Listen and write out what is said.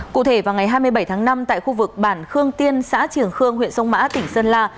cụ thể vào ngày hai mươi bảy tháng năm tại khu vực bản khương tiên xã trường khương huyện sông mã tỉnh sơn la